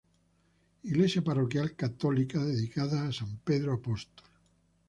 Iglesia parroquial católica dedicada a San Pedro Apóstol.